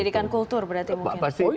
pendidikan kultur berarti mungkin